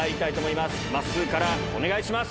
まっすーからお願いします。